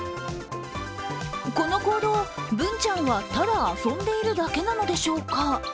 この行動、ブンちゃんは、ただ遊んでいるだけなのでしょうか。